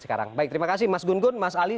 sekarang baik terima kasih mas gungun mas ali